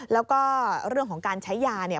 แล้วก็เรื่องของการใช้ยา